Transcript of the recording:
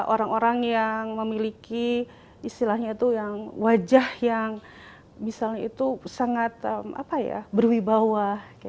orang orang yang memiliki istilahnya itu yang wajah yang misalnya itu sangat berwibawa